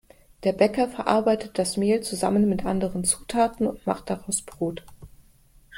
Der Bäcker verarbeitet das Mehl zusammen mit anderen Zutaten und macht daraus Brot.